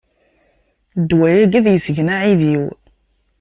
Ddwa-agi ad yesgen aεidiw.